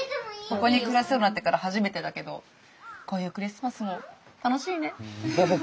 ここに暮らすようになってから初めてだけどこういうクリスマスも楽しいね。